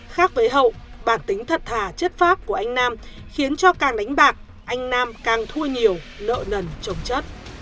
khác với hậu bản tính thật thà chất pháp của anh nam khiến cho càng đánh bạc anh nam càng thua nhiều nợ nần trồng chất